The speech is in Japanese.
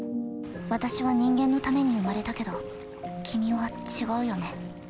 私は人間のために生まれたけど君は違うよね。